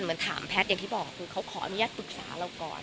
เหมือนถามแพทย์อย่างที่บอกคือเขาขออนุญาตปรึกษาเราก่อน